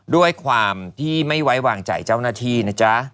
ด้วยความที่ไม่ไว้วางใจเจ้าหน้าที่นะจ๊ะ